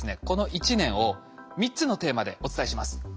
この１年を３つのテーマでお伝えします。